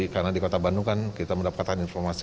karena di kota bandung kan kita mendapatkan informasi